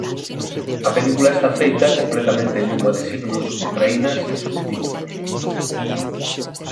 A película está feita completamente en lingua de signos ucraína sen subtitulos.